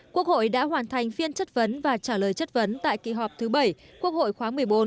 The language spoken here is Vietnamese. quốc hội đã hoàn thành phiên chất vấn và trả lời chất vấn tại kỳ họp thứ bảy quốc hội khóa một mươi bốn